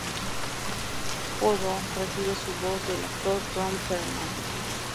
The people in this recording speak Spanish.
Hoodoo recibe su voz del actor Ron Perlman.